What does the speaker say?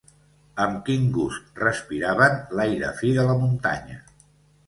Amb quin gust respiraven l'aire fi de la muntanya!